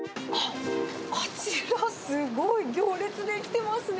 あちら、すごい行列出来てますね。